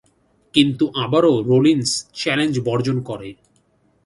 কিন্তু আবারো Rollins challenge বর্জন করে।